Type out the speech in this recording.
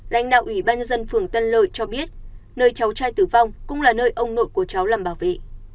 lãnh đạo ủy ban nhân dân phường tân lợi cho biết nơi cháu trai tử vong cũng là nơi ông nội của cháu làm bảo vệ